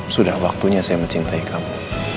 sudah waktunya saya mencintai kamu